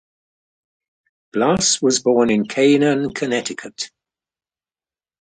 Blass was born in Canaan, Connecticut.